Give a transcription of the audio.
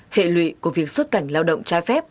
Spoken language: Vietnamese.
hệ lụy của việc xuất cảnh lao động trái phép